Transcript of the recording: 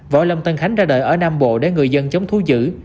võ lâm tân khánh ra đời ở nam bộ để người dân chống thú dữ